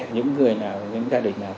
những người nào những gia đình nào